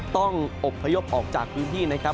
ต้องอบพยพออกจากพื้นที่นะครับ